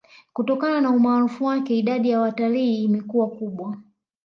Kutokana na umaarufu wake idadi ya watalii imakuwa kubwa